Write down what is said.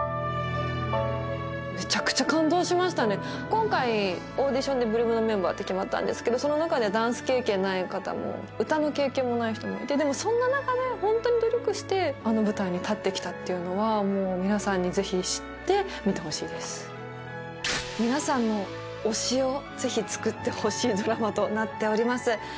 今回オーディションで８ＬＯＯＭのメンバーって決まったんですけどその中でダンス経験ない方も歌の経験もない人もいてでもそんな中でホントに努力してあの舞台に立ってきたっていうのはもう皆さんにぜひ知って見てほしいです皆さんの推しをぜひつくってほしいドラマとなっております